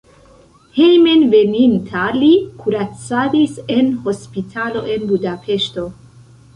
Hejmenveninta li kuracadis en hospitalo en Budapeŝto.